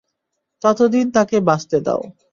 ততদিন তাকে বাঁচতে দাও।